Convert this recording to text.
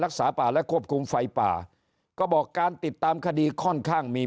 รักษาป่าและควบคุมไฟป่าก็บอกการติดตามคดีค่อนข้างมี